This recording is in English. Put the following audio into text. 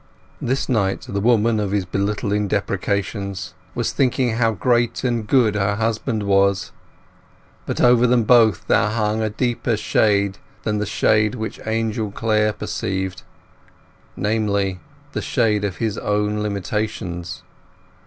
This night the woman of his belittling deprecations was thinking how great and good her husband was. But over them both there hung a deeper shade than the shade which Angel Clare perceived, namely, the shade of his own limitations.